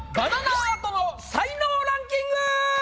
アートの才能ランキング！